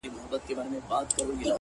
نن د هر گل زړگى په وينو رنـــــگ دى’